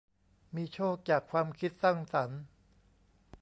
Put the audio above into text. มีโชคจากความคิดสร้างสรรค์